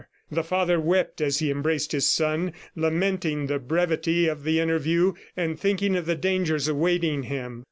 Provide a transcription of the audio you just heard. The father wept as he embraced his son, lamenting the brevity of the interview, and thinking of the dangers awaiting him.